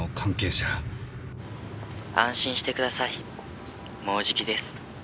「安心してください。もうじきです」